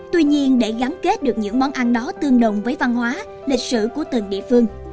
tuy nhiên để gắn kết được những món ăn đó tương đồng với văn hóa lịch sử của từng địa phương